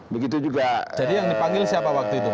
begitu juga penyelenggara pemerintah